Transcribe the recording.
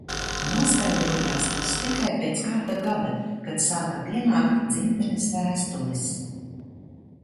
Noskaidrojās tas tikai pēc kāda gada, kad sāka pienākt dzimtenes vēstules.